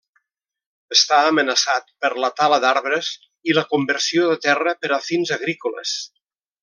Està amenaçat per la tala d'arbres i la conversió de terra per a fins agrícoles.